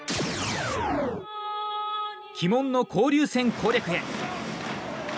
鬼門の交流戦攻略へ。